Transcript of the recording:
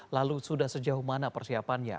lalu sudah sejauh mana persiapannya